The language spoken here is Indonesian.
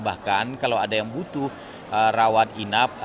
bahkan kalau ada yang butuh rawat inap